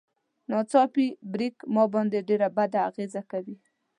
ناڅاپي بريک ما باندې ډېره بده اغېزه کوي.